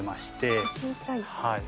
はい。